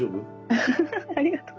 ウフフフありがとう。